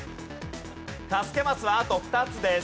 助けマスはあと２つです。